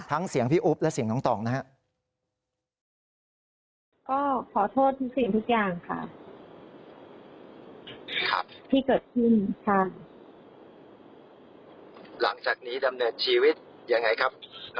เสียงพี่อุ๊บและเสียงน้องต่องนะครับ